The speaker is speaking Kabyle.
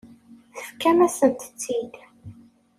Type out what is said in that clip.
Tefkam-asent-tt-id.